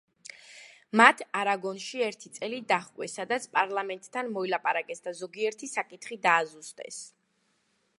მათ არაგონში ერთი წელი დაჰყვეს, სადაც პარლამენტთან მოილაპარაკეს და ზოგიერთი საკითხი დააზუსტეს.